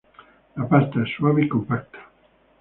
La pasta es suave y compacta.